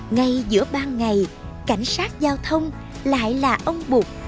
ngay giữa ban ngày cảnh sát giao thông lại là ông bụt